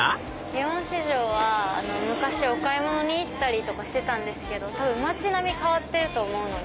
祇園四条は昔お買い物に行ったりしてたんですけど街並み変わってると思うので。